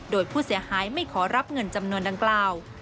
โดยผู้เสียหายไม่ขอรับเงินจำนวนดังกล่าว